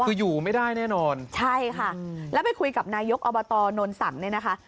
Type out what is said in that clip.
คืออยู่ไม่ได้แน่นอนใช่ค่ะแล้วไปคุยกับนายกอบตนนสังเนี่ยนะคะ